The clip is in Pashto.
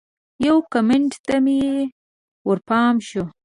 یو کمنټ ته مې ورپام شو